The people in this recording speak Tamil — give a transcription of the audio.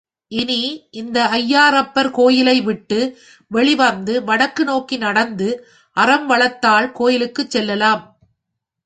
இனி, இந்த ஐயாறப்பர் கோயிலை விட்டு வெளி வந்து வடக்கு நோக்கி நடந்து, அறம் வளர்த்தாள் கோயிலுக்குச் செல்லலாம்.